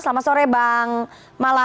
selamat sore bang mala